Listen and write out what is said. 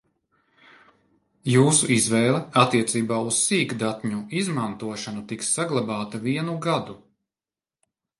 Jūsu izvēle attiecībā uz sīkdatņu izmantošanu tiks saglabāta vienu gadu.